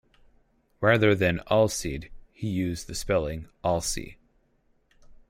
Rather than "alseid" he used the spelling "alsea".